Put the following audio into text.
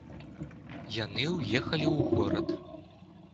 Яны ўехалі ў горад.